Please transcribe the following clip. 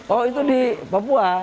oh itu di papua